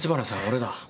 俺だ。